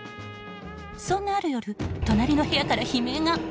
そんなある夜隣の部屋から悲鳴が。